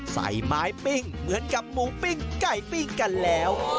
ใส่ไม้ปิ้งเหมือนกับหมูปิ้งไก่ปิ้งกันแล้ว